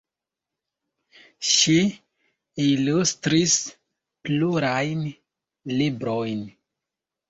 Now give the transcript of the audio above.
Ŝi ilustris plurajn librojn.